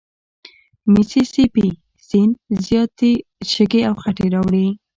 میسي سي پي سیند زیاتي شګې او خټې راوړي.